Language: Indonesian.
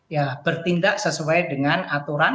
ya bertindak sesuai dengan aturan